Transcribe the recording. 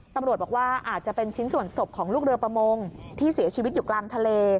ตำรวจบอกว่าอาจจะเป็นชิ้นส่วนศพของลูกเรือประมงที่เสียชีวิตอยู่กลางทะเล